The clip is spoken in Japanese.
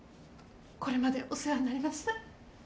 これまでお世話になりました。